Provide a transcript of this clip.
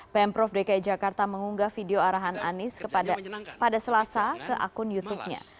pemprov dki jakarta mengunggah video arahan anies pada selasa ke akun youtubenya